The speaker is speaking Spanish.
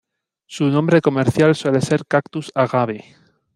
Su nombre comercial suele ser "cactus agave".